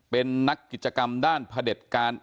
เป็นนักกิจกรรมด้านพระเด็จการ